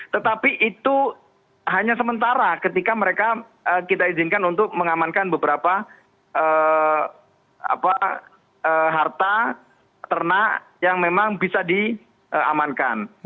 tetapi itu hanya sementara ketika mereka kita izinkan untuk mengamankan beberapa harta ternak yang memang bisa diamankan